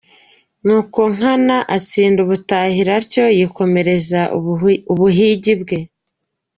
Nuko Nkana atsinda ubutahira atyo yikomereza ubuhigi bwe.